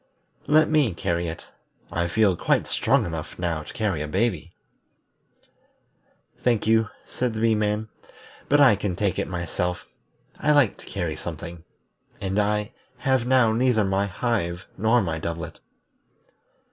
"Let me carry it. I feel quite strong enough now to carry a baby." "Thank you," said the Bee man, "but I can take it myself. I like to carry something, and I have now neither my hive nor my doublet."